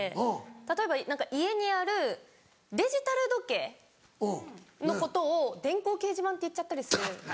例えば何か家にあるデジタル時計のことを電光掲示板って言っちゃったりする。